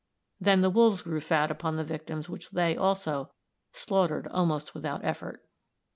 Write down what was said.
Then the wolves grew fat upon the victims which they, also, slaughtered almost without effort.